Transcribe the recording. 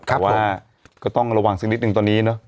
เพราะว่าก็ต้องระวังสักนิดนึงตอนนี้เนอะ